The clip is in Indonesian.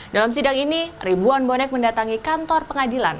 dalam sidang ini ribuan bonek mendatangi kantor pengadilan